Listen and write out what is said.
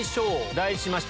題しまして。